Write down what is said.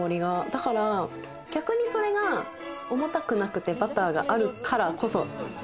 だから逆にそれが重たくなくて、バターがあるからこそ。